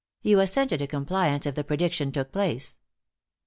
You assented a compliance if the prediction took place."